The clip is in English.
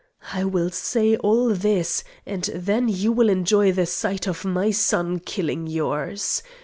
I will say all this, and then you will enjoy the sight of my son killing yours.